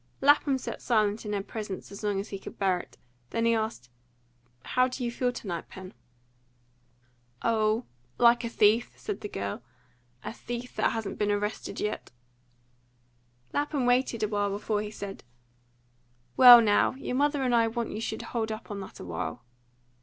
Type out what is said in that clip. Lapham sat silent in her presence as long as he could bear it. Then he asked, "How do you feel to night, Pen?" "Oh, like a thief," said the girl. "A thief that hasn't been arrested yet." Lapham waited a while before he said, "Well, now, your mother and I want you should hold up on that a while."